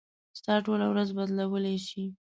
ستا ټوله ورځ بدلولی شي.